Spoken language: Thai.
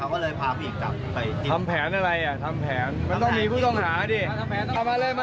มาเลยมาเลยเดี๋ยวไปถ่ายที่โรงพักไปที่โรงพัก